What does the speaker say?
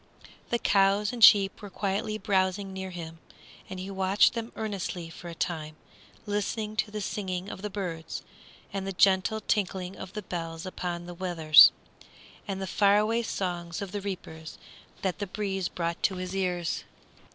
The cows and sheep were quietly browsing near him, and he watched them earnestly for a time, listening to the singing of the birds, and the gentle tinkling of the bells upon the wethers, and the far away songs of the reapers that the breeze brought to his ears.